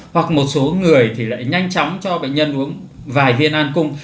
hoặc một số người thì lại nhanh chóng cho bệnh nhân uống vài viên an cung